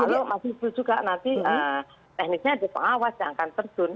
kalau masih juga nanti teknisnya ada pengawas yang akan terjun